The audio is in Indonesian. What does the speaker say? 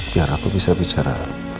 biar aku bisa bicara